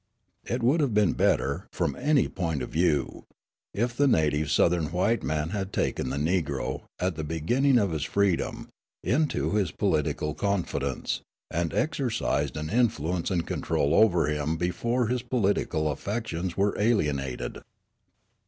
It would have been better, from any point of view, if the native Southern white man had taken the Negro, at the beginning of his freedom, into his political confidence, and exercised an influence and control over him before his political affections were alienated.